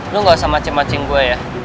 lo gak usah macin macing gue ya